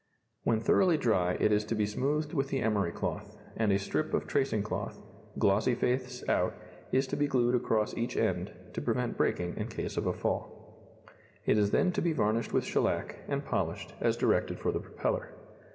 When thoroughly dry it is to be smoothed with the emery cloth, and a strip of tracing cloth glossy face out is to be glued across each end, to prevent breaking in case of a fall. It is then to be varnished with shellac, and polished, as directed for the propeller.